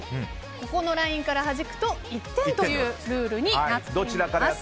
ここのラインからはじくと１点というルールになっています。